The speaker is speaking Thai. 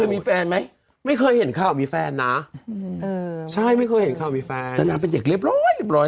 มีแฟนนะเออใช่ไม่เคยเห็นเข้ามีแฟนแต่น่าเป็นเด็กเรียบร้อยเรียบร้อย